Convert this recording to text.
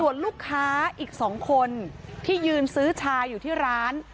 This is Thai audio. ส่วนลูกค้าอีก๒คนที่ยืนซื้อชาอยู่ที่ร้าน